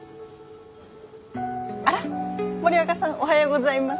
あら？森若さんおはようございます。